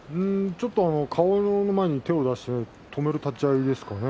顔の前に手を出して止める立ち合いですかね